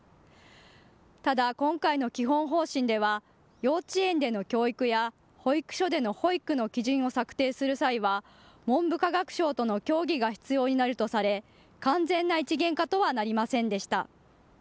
ただ今回の基本方針では幼稚園での教育や保育所での保育の基準を策定する際は文部科学省との協議が必要になるとされ完全な一元化とはなりませんでした。